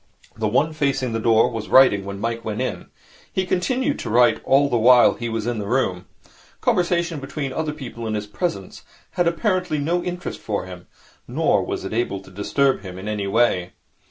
The one facing the door was writing when Mike went in. He continued to write all the time he was in the room. Conversation between other people in his presence had apparently no interest for him, nor was it able to disturb him in any way.